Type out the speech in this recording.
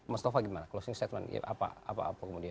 mas tova bagaimana closing statement apa kemudian